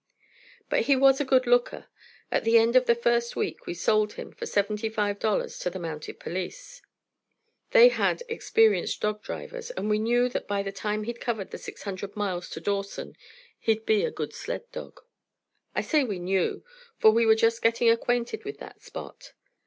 But he was a good looker. At the end of the first week we sold him for seventy five dollars to the Mounted Police. They had experienced dog drivers, and we knew that by the time he'd covered the six hundred miles to Dawson he'd be a good sled dog. I say we knew, for we were just getting acquainted with that Spot.